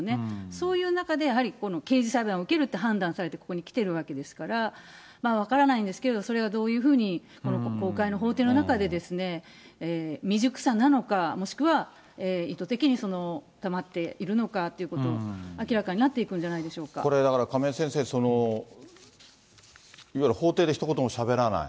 そういう中で、やはり刑事裁判を受けるって判断されて、ここに来てるわけですから、分からないんですけれども、それがどういうふうに公開の法廷の中で未熟さなのか、もしくは意図的にしているのか、明らかになっていくんじゃないでこれだから、亀井先生、いわゆる法廷でひと言もしゃべらない。